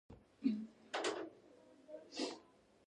اوړه د لوی اختر خوراکي مواد دي